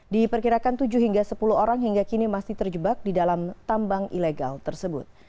diperkirakan tujuh hingga sepuluh orang hingga kini masih terjebak di dalam tambang ilegal tersebut